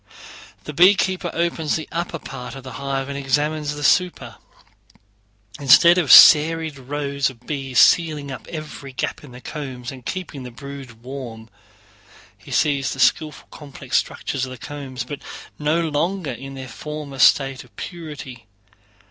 The beekeeper opens the upper part of the hive and examines the super. Instead of serried rows of bees sealing up every gap in the combs and keeping the brood warm, he sees the skillful complex structures of the combs, but no longer in their former state of purity.